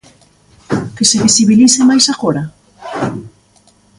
Que se visibilice máis agora?